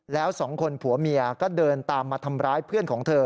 แล้วสองคนผัวเมียก็เดินตามมาทำร้ายเพื่อนของเธอ